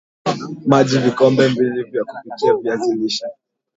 Maji Vikombe mbili vya kupikia viazi lishe